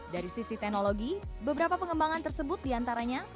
dari sisi teknologi beberapa pengembangan tersebut diantaranya